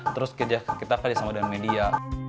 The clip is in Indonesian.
terus kita kerjasama dengan media